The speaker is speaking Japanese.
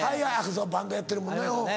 バンドやってるもんね。